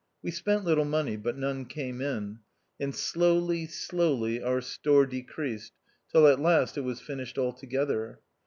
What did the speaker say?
We spent little money, but none came in ; and, slowly, slowly our store decreased, till at last it was finished altogether.